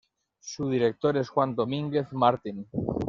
Su director es Juan Domínguez Martin.